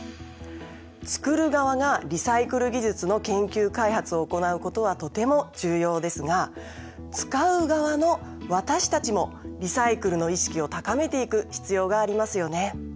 「つくる側」がリサイクル技術の研究開発を行うことはとても重要ですが「つかう側」の私たちもリサイクルの意識を高めていく必要がありますよね。